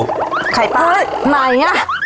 สไฟตายแมนงานหรอ